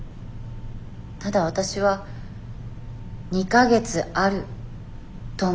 ただわたしは２か月あると思っています。